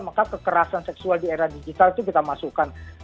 maka kekerasan seksual di era digital itu kita masukkan